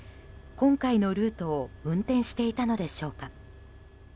今回のルートを運転していたのでしょうか。